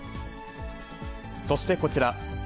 そしてこちら。